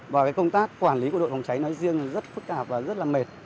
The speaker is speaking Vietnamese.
và công tác quản lý của đội phòng cháy nói riêng rất phức tạp và rất là mệt